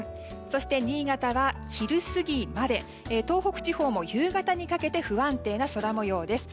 そして、新潟は昼過ぎまで東北地方も夕方にかけて不安定な空模様です。